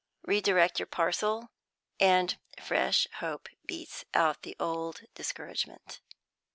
Re direct your parcel, and fresh hope beats out the old discouragement."